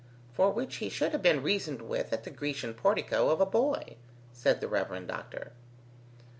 "For which he should have been reasoned with at the Grecian portico of a boy," said the Rev. Doctor.